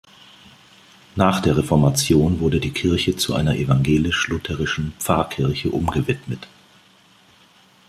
Nach der Reformation wurde die Kirche zu einer evangelisch-lutherischen Pfarrkirche umgewidmet.